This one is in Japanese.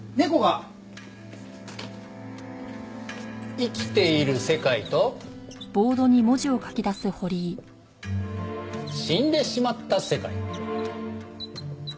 生きている世界と死んでしまった世界。